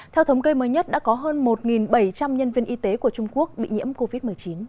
theo thống kê mới nhất đã có hơn một bảy trăm linh nhân viên y tế của trung quốc bị nhiễm covid một mươi chín